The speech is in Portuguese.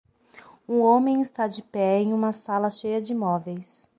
Um homem está de pé em uma sala cheia de móveis.